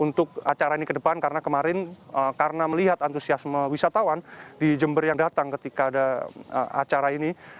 untuk acara ini ke depan karena kemarin karena melihat antusiasme wisatawan di jember yang datang ketika ada acara ini